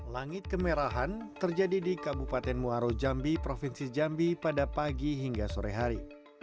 langit kemerahan terjadi di kabupaten muaro jambi provinsi jambi pada pagi hingga sore hari